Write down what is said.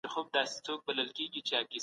د ټولنې پرمختګ د پياوړي سياست پايله ده.